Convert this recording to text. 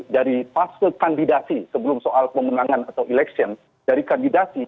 dari fase kandidasi sebelum soal pemenangan atau election dari kandidasi